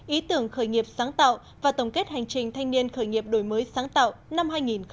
ý tưởng khởi nghiệp sáng tạo và tổng kết hành trình thanh niên khởi nghiệp đổi mới sáng tạo năm hai nghìn một mươi chín